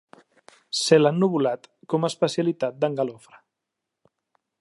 Cel ennuvolat com a especialitat d'en Galofre.